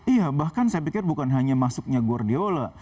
iya bahkan saya pikir bukan hanya masuknya guardiola